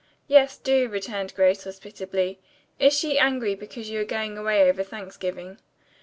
"Yes, do," returned Grace hospitably. "Is she angry because you are going away over Thanksgiving?"